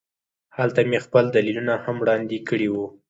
هلته مې خپل دلیلونه هم وړاندې کړي وو